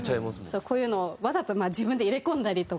こういうのをわざと自分で入れ込んだりとか。